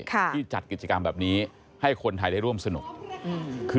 ที่จัดกิจกรรมแบบนี้ให้คนไทยได้ร่วมสนุกคือ